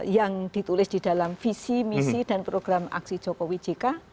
yang ditulis di dalam visi misi dan program aksi jokowi jk